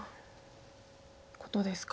ことですか。